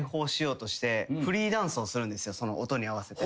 その音に合わせて。